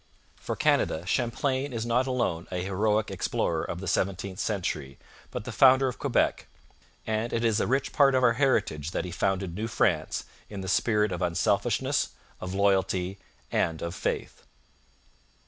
For Canada Champlain is not alone a heroic explorer of the seventeenth century, but the founder of Quebec; and it is a rich part of our heritage that he founded New France in the spirit of unselfishness, of loyalty, and of faith.